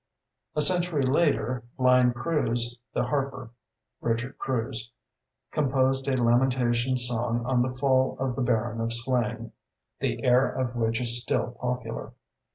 A century later "Blind Cruise, the harper" Richard Cruise composed a lamentation song on the fall of the Baron of Slane, the air of which is still popular.